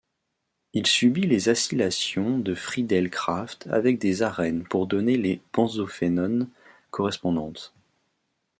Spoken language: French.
Il subit les acylations de Friedel-Crafts avec des arènes pour donner les benzophénones correspondantes.